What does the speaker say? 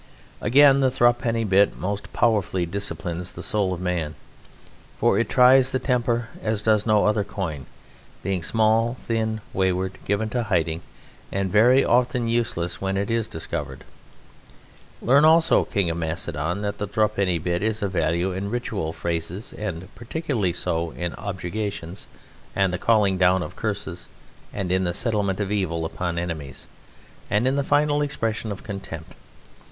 Again, the thruppenny bit most powerfully disciplines the soul of man, for it tries the temper as does no other coin, being small, thin, wayward, given to hiding, and very often useless when it is discovered. Learn also, King of Macedon, that the thruppenny bit is of value in ritual phrases, and particularly so in objurgations and the calling down of curses, and in the settlement of evil upon enemies, and in the final expression of contempt.